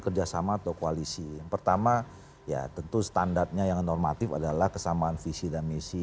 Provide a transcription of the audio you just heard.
kerjasama atau koalisi yang pertama ya tentu standarnya yang normatif adalah kesamaan visi dan misi